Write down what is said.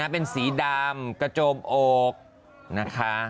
เป็นสีดำกระโจมอกนะคะ